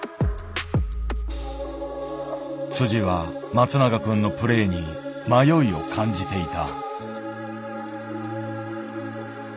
は松永くんのプレーに迷いを感じていた。